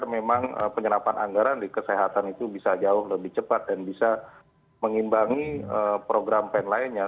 memang penyerapan anggaran di kesehatan itu bisa jauh lebih cepat dan bisa mengimbangi program pen lainnya